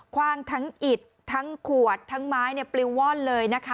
ความทั้งอิดทั้งขวดทั้งไม้เนี้ยปลิ้งว่อนเลยนะคะ